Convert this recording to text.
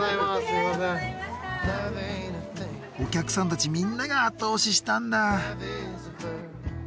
たちみんなが後押ししたんだ。